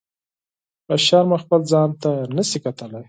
له شرمه خپل ځان ته نه شي کتلی.